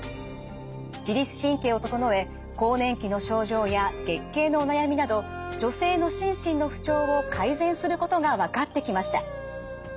自律神経を整え更年期の症状や月経のお悩みなど女性の心身の不調を改善することが分かってきました。